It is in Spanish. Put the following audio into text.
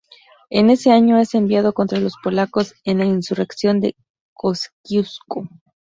En ese año es enviado contra los polacos en la insurrección de Kościuszko.